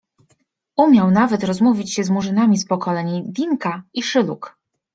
Umiał nawet rozmówić się z Murzynami z pokoleń Dinka i Szyluk.